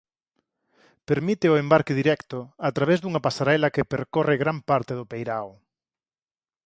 Permite o embarque directo a través dunha pasarela que percorre gran parte do peirao.